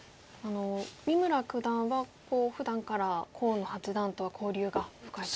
三村九段はふだんから河野八段とは交流が深いと。